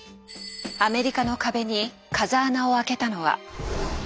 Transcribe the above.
アメリカの壁に風穴を開けたのは。